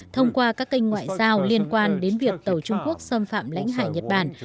thông qua các kênh ngoại giao liên quan đến việc tàu trung quốc xâm phạm lãnh hải nhật bản